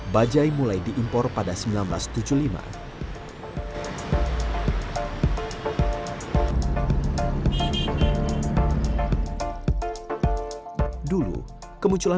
bajai mulai diimpor pada seribu sembilan ratus tujuh puluh lima